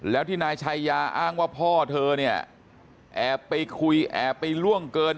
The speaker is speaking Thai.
แล้วที่นายชายาอ้างว่าพ่อเธอเนี่ยแอบไปคุยแอบไปล่วงเกิน